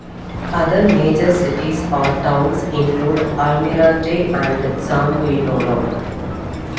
Other major cities or towns include Almirante and Changuinola.